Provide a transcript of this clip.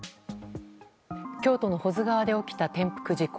京都の保津川で起きた転覆事故。